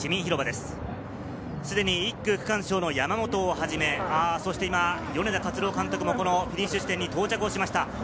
すでに１区区間賞の山本をはじめ、米田勝朗監督もフィニッシュ地点に到着しました。